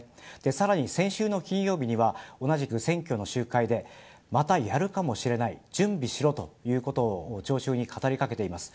さらに先週の金曜日には同じく選挙の集会でまたやるかもしれない準備しろということを聴衆に語りかけています。